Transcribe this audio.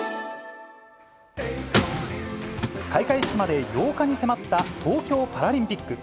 開会式まで８日に迫った東京パラリンピック。